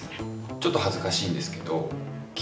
ちょっと恥ずかしいんですけど。